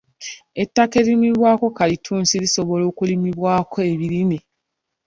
Ettaka eririmibwako kalittunsi lisobola okurimibwako ebirime.